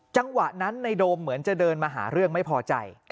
จังหวะนั้นในโดมเหมือนจะเดินมาหาเรื่องไม่พอใจ